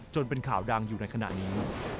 เป็นข่าวดังอยู่ในขณะนี้